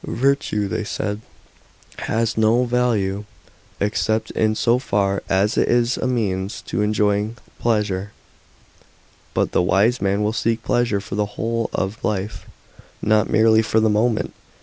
Virtue, they said, has no value except in so far as it is a means to enjoying pleasure. But the wise man will seek pleasure for the whole ot life, not merely for the moment.